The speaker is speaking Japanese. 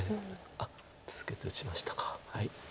あっツケて打ちましたか。